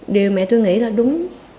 điều mẹ tôi nghĩ là đúng